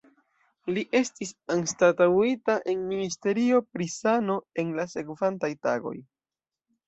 Li estis anstataŭita en Ministerio pri sano en la sekvantaj tagoj.